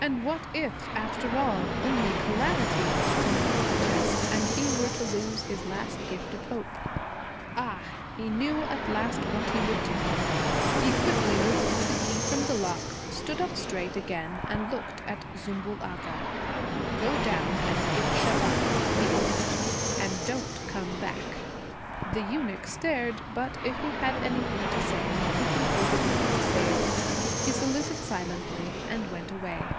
And what if, after all, only calamity were to come out of the chest, and he were to lose his last gift of hope? Ah! He knew at last what he would do! He quickly withdrew the key from the lock, stood up straight again, and looked at Zümbül Agha. 'Go down and get Shaban,' he ordered, 'and don't come back.' The eunuch stared. But if he had anything to say, he concluded not to say it. He saluted silently and went away.